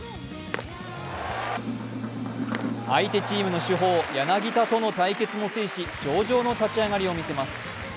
相手チームの主砲・柳田との対決も制し上々の立ち上がりを見せます。